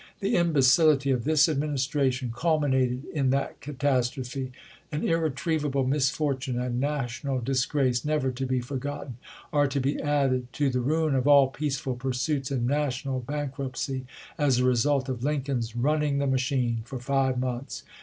The imbecility of this Administration culminated in that catastrophe ; an u retrievable misfortune and national disgrace, never to be forgotten, are to be added to the ruin of all peaceful pursuits and national bank ruptcy as the result of Lincoln's "running the machine" for five months.